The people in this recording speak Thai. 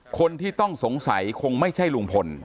คนที่ต้องสงสัยคงไม่ใช่ลุงพล